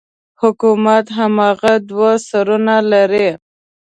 حکومت هماغه دوه سرونه لري.